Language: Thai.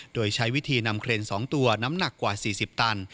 โดยใช้วิธีนำเครน๒ตัวน้ำหนักกว่า๔๐ตัน